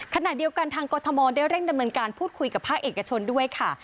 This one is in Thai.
ขณะเดียวกันทางกรทมได้เร่งดำเนินการพูดคุยกับภาคเอกชนด้วยค่ะ